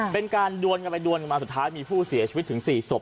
เป็นการดวนกันไปดวนกันมาสุดท้ายมีผู้เสียชีวิตถึง๔ศพ